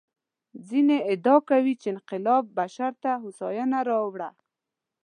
ځینې ادعا کوي چې انقلاب بشر ته هوساینه راوړه.